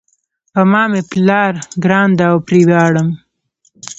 په ما مېپلار ګران ده او پری ویاړم